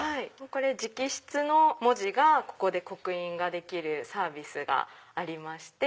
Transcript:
直筆の文字が刻印できるサービスがありまして。